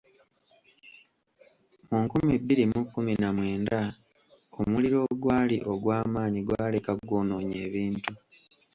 Mu nkumi bbiri mu kkumi na mwenda omuliro ogwali ogwamaanyi gwaleka gwonoonye ebintu.